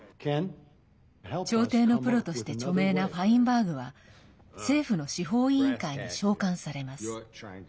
調停のプロとして著名なファインバーグは政府の司法委員会に召喚されます。